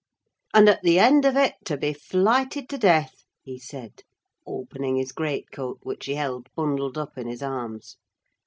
"And at the end of it to be flighted to death!" he said, opening his great coat, which he held bundled up in his arms.